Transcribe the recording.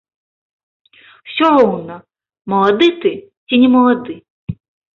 Усё роўна, малады ты ці не малады.